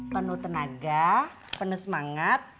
penuh tenaga penuh semangat